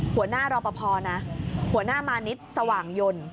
หัวหน้ารอปภนะหัวหน้ามานิดสว่างยนต์